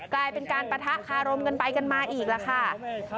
กลายเป็นการปฏะฆารมน์กันไปกันมาอีกละค่ะ